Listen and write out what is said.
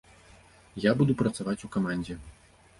Я буду працаваць у камандзе.